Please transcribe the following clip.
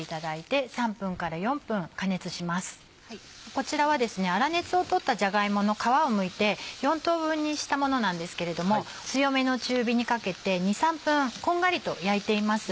こちらは粗熱を取ったじゃが芋の皮をむいて４等分にしたものなんですけれども強めの中火にかけて２３分こんがりと焼いています。